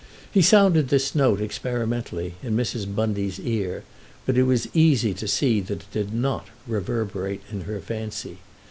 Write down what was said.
He sounded this note experimentally in Mrs. Bundy's ear, but it was easy to see that it didn't reverberate in her fancy.